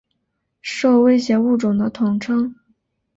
受威胁物种的统称。